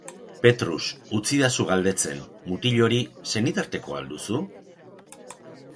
Petrus, utzidazu galdetzen, mutil hori, senitartekoa al duzu?